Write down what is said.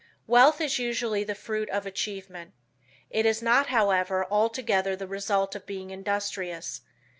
Wealth is usually the fruit of achievement. It is not, however, altogether the result of being industrious.